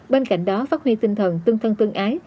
bên cạnh đó phát huy tinh thần tương thân tương ái